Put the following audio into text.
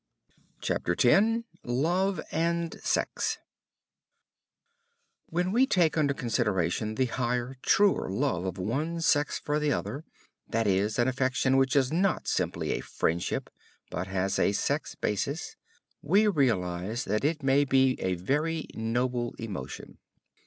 CHAPTER X LOVE AND SEX When we take under consideration the higher, truer love of one sex for the other, that is, an affection which is not simply a friendship, but has a sex basis, we realize that it may be a very noble emotion.